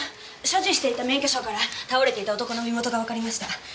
所持していた免許証から倒れていた男の身元がわかりました。